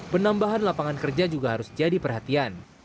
penambahan lapangan kerja juga harus jadi perhatian